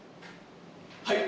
はい！